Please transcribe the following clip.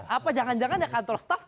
apa jangan jangan ya kantor staff